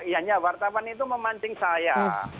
yanya wartawan itu memancing saya